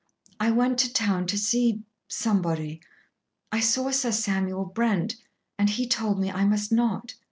I went to town to see somebody. I saw Sir Samuel Brent, and he told me I must not.